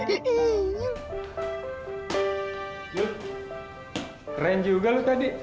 keren juga lu tadi